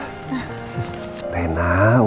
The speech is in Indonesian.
mbak ii kangen banget sama reina